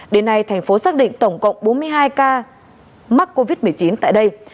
đến nay thành phố xác định tổng cộng bốn mươi hai ca mắc covid một mươi chín tại đây